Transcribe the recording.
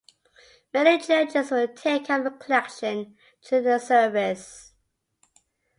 Many churches will take up a collection during the service.